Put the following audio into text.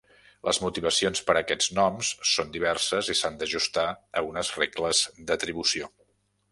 Les motivacions per a aquests noms són diverses i s'han d'ajustar a unes regles d'atribució.